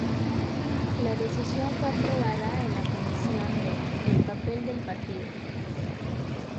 La decisión fue aprobada en la comisión de "El papel del partido.